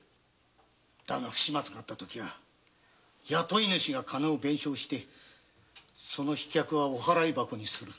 不始末があった時は雇い主が金を弁償してその飛脚はお払い箱にする。